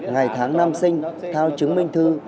ngày tháng năm sinh theo chứng minh thư